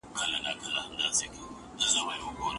وروڼه يوسف عليه السلام پر قافله والاوو باندي خرڅوي.